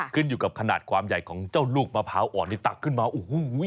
ขึ้นอยู่กับขนาดความใหญ่ของเจ้าลูกมะพร้าวอ่อนที่ตักขึ้นมาโอ้โห